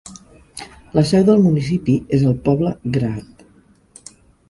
La seu del municipi és el poble Grad.